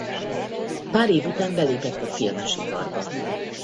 Pár év után belépett a filmes iparba.